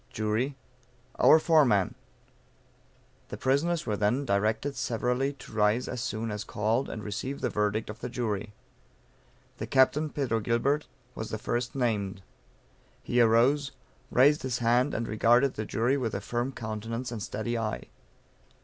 Jury. Our foreman. The prisoners were then directed severally to rise as soon as called, and receive the verdict of the jury. The Captain, Pedro Gilbert, was the first named. He arose, raised his hand, and regarded the jury with a firm countenance and steady eye.